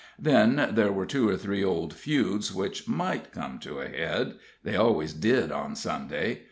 Then there were two or three old feuds which might come to a head they always did on Sunday.